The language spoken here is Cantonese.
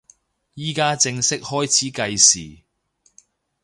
依家正式開始計時